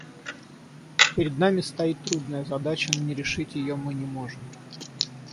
Перед нами стоит трудная задача, но не решить ее мы не можем.